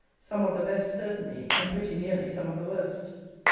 Some of the best, certainly; and pretty nearly some of the worst.